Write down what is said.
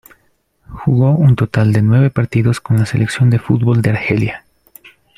Jugó un total de nueve partidos con la selección de fútbol de Argelia.